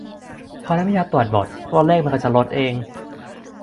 "พอน้ำยาตรวจหมด ตัวเลขมันก็จะลดเอง"